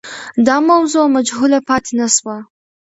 دا موضوع مجهوله پاتې نه سوه.